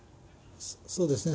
そうですね。